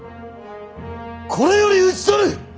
これより討ち取る！